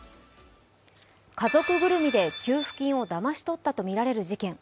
家族ぐるみで給付金をだまし取ったとみられる事件。